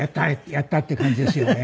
やった！」っていう感じですよね。